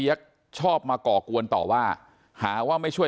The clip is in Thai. ฝ่ายกรเหตุ๗๖ฝ่ายมรณภาพกันแล้ว